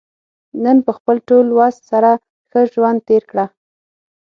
نن په خپل ټول وس سره ښه ژوند تېر کړه.